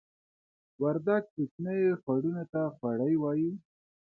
وردګ کوچنیو خوړونو ته خوړۍ وایې